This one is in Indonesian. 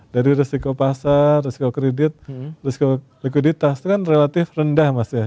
dari risiko pasar risiko kredit likuiditas itu kan relatif rendah mas ya